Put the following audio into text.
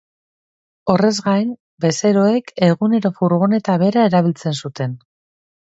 Horrez gain, bezeroek egunero furgoneta bera erabiltzen zuten.